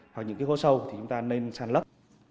hoặc những cái hố sâu thì chúng ta nên san lấp